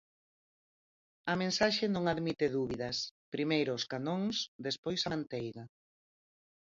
A mensaxe non admite dúbidas: primeiro os canóns, despois a manteiga.